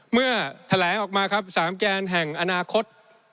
เมื่อแถลงออกมาครับ๓แกนแห่งอนาคต